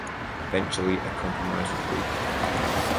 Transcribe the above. Eventually, a compromise was reached.